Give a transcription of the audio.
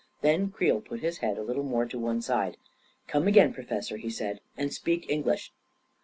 Then Creel put his head a little more to one side. " Come again, Professor/ 9 he said, " and speak English."